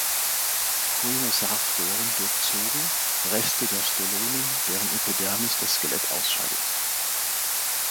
Coenosark-Röhren durchzogen, Reste der Stolonen, deren Epidermis das Skelett ausscheidet.